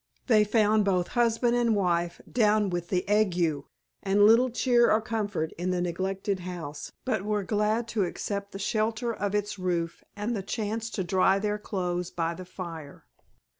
They found both husband and wife down with the ague, and little cheer or comfort in the neglected house, but were glad to accept the shelter of its roof and the chance to dry their clothes by the fire.